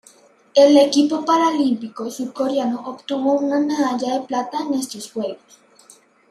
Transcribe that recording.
El equipo paralímpico surcoreano obtuvo una medalla de plata en estos Juegos.